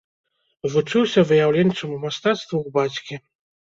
Вучыўся выяўленчаму мастацтву ў бацькі.